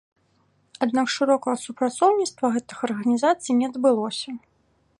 Аднак шырокага супрацоўніцтва гэтых арганізацый не адбылося.